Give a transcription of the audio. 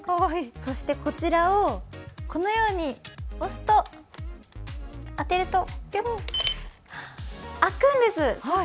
そしてこちらをこのように立てると当てると、開くんです。